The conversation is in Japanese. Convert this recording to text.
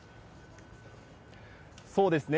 そうですね。